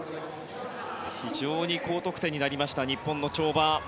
非常に高得点になりました日本の跳馬。